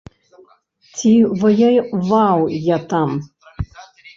Ці ваяваў я там?